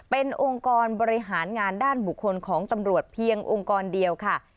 เป็นองค์กรบริหารงานด้านบุคคลของตำรวจเพียงองค์กรเดียวค่ะ